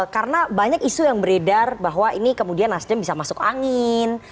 karena banyak isu yang beredar bahwa ini kemudian nasdem bisa masuk angin